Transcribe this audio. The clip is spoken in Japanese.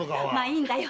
いいんだよ。